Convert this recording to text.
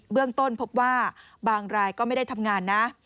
เรื่องต้นพบว่าบางรายก็ไม่ได้ทำงานนะ